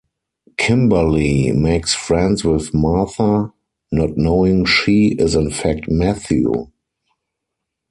Kimberly makes friends with Martha, not knowing "she" is in fact Matthew.